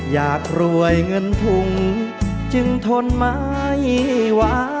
อยากรวยเงินทุงจึงทนไม่ไหว